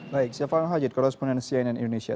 baik silvano haji korresponden cnn indonesia